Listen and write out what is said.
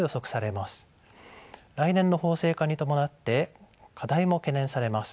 来年の法制化に伴って課題も懸念されます。